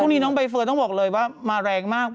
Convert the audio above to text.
วันนี้น้องใบเฟิร์นต้องบอกเลยว่ามาแรงมาก